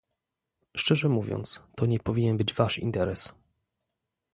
Szczerze mówiąc, to nie powinien być wasz interes